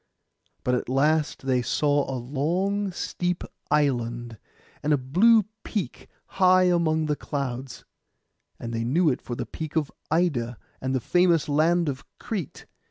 But at last they saw a long steep island, and a blue peak high among the clouds; and they knew it for the peak of Ida, and the famous land of Crete.